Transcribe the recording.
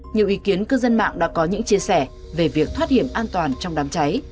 nhiều ý kiến cư dân mạng đã có những chia sẻ về việc thoát hiểm an toàn trong đám cháy